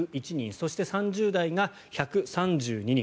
そして３０代が１３２人。